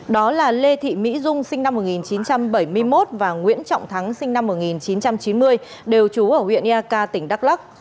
đó là lê thị mỹ dung sinh năm một nghìn chín trăm bảy mươi một và nguyễn trọng thắng sinh năm một nghìn chín trăm chín mươi đều trú ở huyện eak tỉnh đắk lắc